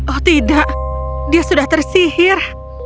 oh tidak dia sudah tersihir